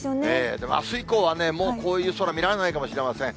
でも、あす以降はね、もうこういう空、見られないかもしれません。